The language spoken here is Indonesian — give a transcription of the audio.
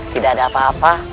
tidak ada apa apa